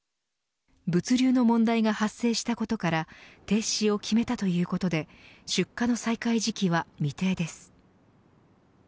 物流の問題が発生したことから停止を決めたということで出荷の再開時期は未定です。